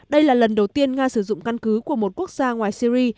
đây là lần đầu tiên nga sử dụng căn cứ của một quốc gia ngoài syri